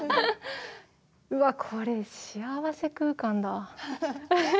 うわっこれ幸せ空間だ。